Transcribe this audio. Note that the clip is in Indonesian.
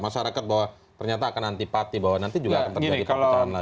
masyarakat bahwa ternyata akan antipati bahwa nanti juga akan terjadi perpecahan lagi